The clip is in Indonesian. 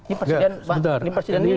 ini presiden pak